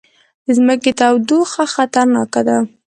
د ځمکې تودوخه خطرناکه ده